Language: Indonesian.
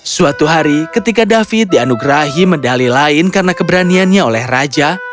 suatu hari ketika david dianugerahi medali lain karena keberaniannya oleh raja